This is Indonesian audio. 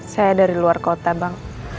saya dari luar kota bang